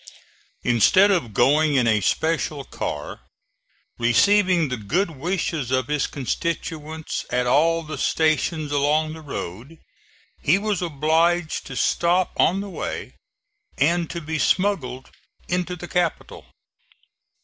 Instead of going in a special car, receiving the good wishes of his constituents at all the stations along the road, he was obliged to stop on the way and to be smuggled into the capital.